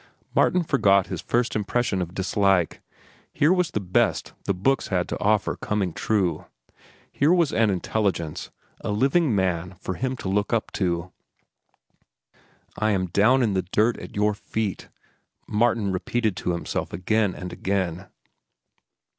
Martin forgot his first impression of dislike. Here was the best the books had to offer coming true. Here was an intelligence, a living man for him to look up to. "I am down in the dirt at your feet," Martin repeated to himself again and again.